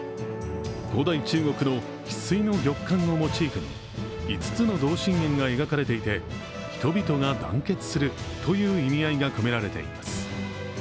古代中国のひすいの玉環をモチーフに５つの同心円が描かれていて、人々が団結するという意味合いが込められています。